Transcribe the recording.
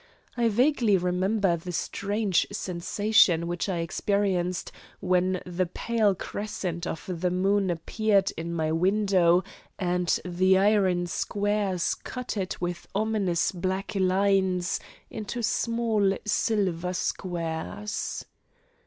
I vaguely remember the strange sensation which I experienced when the pale crescent of the moon appeared in my window and the iron squares cut it with ominous black lines into small silver squares....